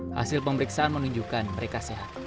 hasil pemeriksaan menunjukkan mereka sehat